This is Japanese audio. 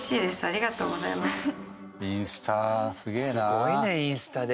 すごいねインスタで。